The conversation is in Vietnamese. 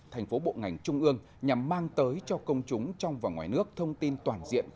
thành phố bộ ngành trung ương nhằm mang tới cho công chúng trong và ngoài nước thông tin toàn diện